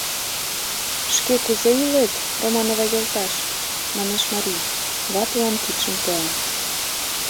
Шке кузе илет, Романова йолташ? — манеш марий, ватылан кидшым пуа.